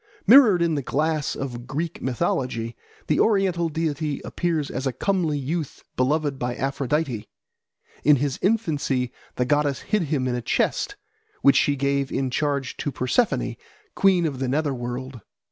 Mirrored in the glass of Greek mythology, the oriental deity appears as a comely youth beloved by Aphrodite. In his infancy the goddess hid him in a chest, which she gave in charge to Persephone, queen of the nether world.